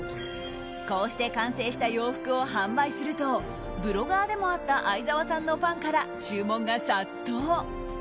こうして完成した洋服を販売するとブロガーでもあった愛沢さんのファンから注文が殺到。